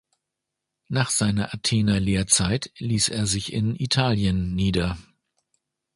Nach seiner Athener Lehrzeit ließ er sich in Italien nieder.